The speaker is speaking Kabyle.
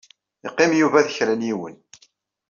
Yeqqim Yuba d kra n yiwen.